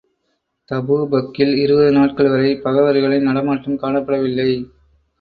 தபூபக்கில் இருபது நாட்கள் வரை பகைவர்களின் நடமாட்டம் காணப்படவில்லை.